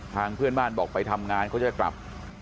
เพื่อนบ้านบอกไปทำงานเขาจะกลับ